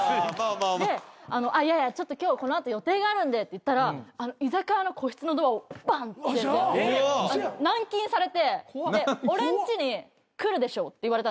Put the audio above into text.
いやいやちょっと今日この後予定があるんでって言ったら居酒屋の個室のドアをバンッて軟禁されて「俺んちに来るでしょ？」って言われたんですよ。